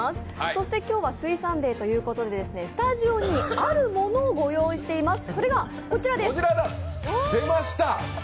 そして今日は水産デーということでスタジオにあるものをご用意しています。